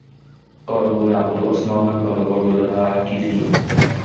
قالوا نَعبُدُ أَصنامًا فَنَظَلُّ لَها عاكِفينَ